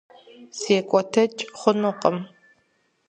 Секӏуэтэкӏ хъунукъым.